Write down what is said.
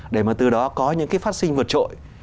để mà từ đó có những cái phát sinh vượt trội